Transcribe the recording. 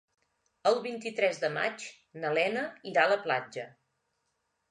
El vint-i-tres de maig na Lena irà a la platja.